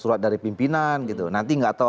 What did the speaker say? surat dari pimpinan gitu nanti gak tau